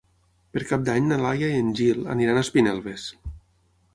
Per Cap d'Any na Laia i en Gil aniran a Espinelves.